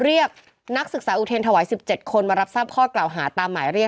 เรียกนักศึกษาอุเทรนถวาย๑๗คนมารับทราบข้อกล่าวหาตามหมายเรียก